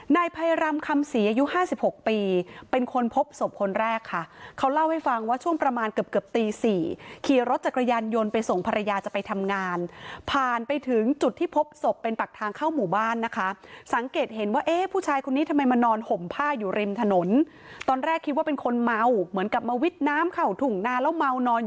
นายภัยรำคำศรีอายุห้าสิบหกปีเป็นคนพบศพคนแรกค่ะเขาเล่าให้ฟังว่าช่วงประมาณเกือบเกือบตีสี่ขี่รถจักรยานยนต์ไปส่งภรรยาจะไปทำงานผ่านไปถึงจุดที่พบศพเป็นปากทางเข้าหมู่บ้านนะคะสังเกตเห็นว่าเอ๊ะผู้ชายคนนี้ทำไมมานอนห่มผ้าอยู่ริมถนนตอนแรกคิดว่าเป็นคนเมาเหมือนกับมาวิดน้ำเข้าถุงนานแล้วเมานอน